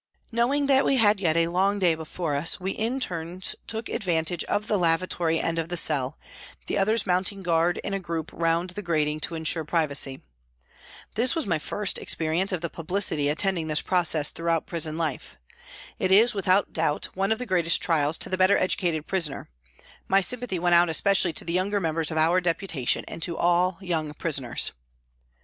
Knowing that we had yet a long day before us, we in turns took advantage of the lavatory end of the cell, the others mounting guard in a group round the grating to ensure privacy. This was my first experience of the publicity attending this process throughout prison life. It is, without doubt, one of the greatest trials to the better educated prisoner ; my sympathy went out especially to the younger members of our Deputation and to all young prisoners.